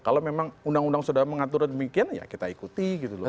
kalau memang undang undang sudah mengatur demikian ya kita ikuti gitu loh